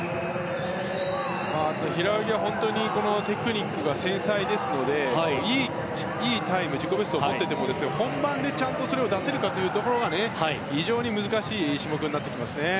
平泳ぎはテクニックが繊細ですのでいい自己ベストを持っていても本番で、それを出せるかが非常に難しい種目になってきます。